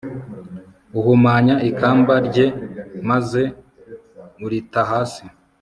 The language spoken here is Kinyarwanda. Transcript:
uhumanya ikamba rye maze urita hasi